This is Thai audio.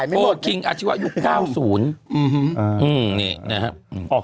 โฟลคิงอาชีวะยุค๙๐